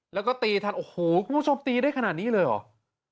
แล้วก็ตีทันโอ้โหคุณผู้ชมตีได้ขนาดนี้เลยเหรอ